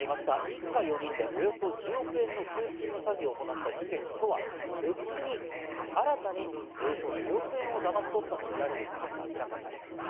一家４人でおよそ１０億円の給付金詐欺を行った事件とは別に新たにおよそ２億円をだまし取ったとみられる事件が明らかになりました。